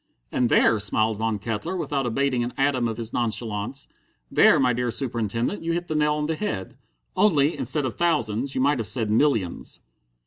"And there," smiled Von Kettler, without abating an atom of his nonchalance, "there, my dear Superintendent, you hit the nail on the head. Only, instead of thousands, you might have said millions."